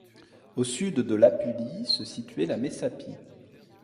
Au sud de l’Apulie, se situait la Messapie.